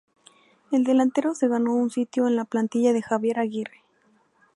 El delantero se ganó un sitio en la plantilla de Javier Aguirre.